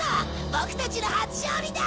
ボクたちの初勝利だ！